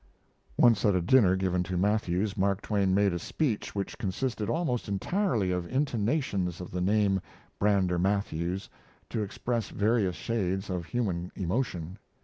[Once at a dinner given to Matthews, Mark Twain made a speech which consisted almost entirely of intonations of the name "Brander Matthews" to express various shades of human emotion.